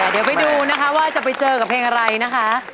เดี๋ยวไปดูนะคะว่าจะไปเจอกับเพลงอะไรนะคะ